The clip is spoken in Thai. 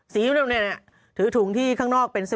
สีรุ่นนี้ถือถุงที่ข้างนอกเป็น๗๑๑